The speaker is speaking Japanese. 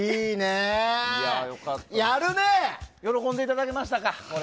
喜んでいただけましたか。